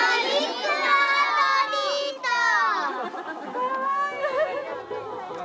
かわいい。